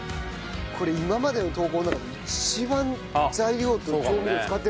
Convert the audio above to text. これ今までの投稿の中で一番材料と調味料使ってるかもね。